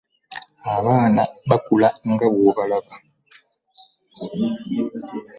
Abaana bakulu nga bw'obalaba.